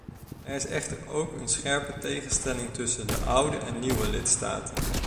Er is echter ook een scherpe tegenstelling tussen de oude en nieuwe lidstaten.